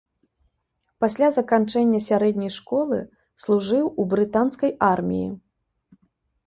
Пасля заканчэння сярэдняй школы служыў у брытанскай арміі.